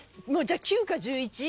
じゃ９か１１？